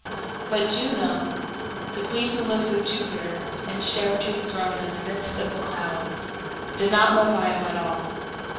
But Juno, the queen who lived with Jupiter and shared his throne in the midst of the clouds, did not love Io at all.